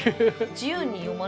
自由に読まれて？